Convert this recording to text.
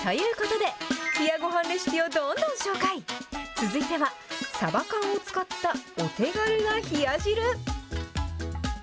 続いては、さば缶を使ったお手軽な冷や汁。